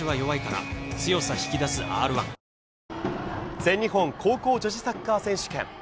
全日本高校女子サッカー選手権。